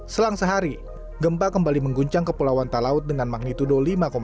selang sehari gempa kembali mengguncang kepulauan talaut dengan magnitudo lima empat